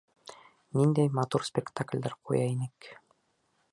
Ниндәй матур спектаклдәр ҡуя инек.